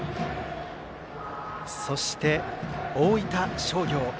そして、大分商業。